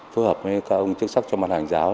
phù hợp với các ông chức sắc trong mặt hàng giáo